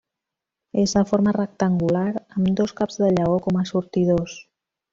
És de forma rectangular amb dos caps de lleó com a sortidors.